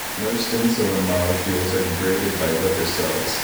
Most insulin molecules are degraded by liver cells.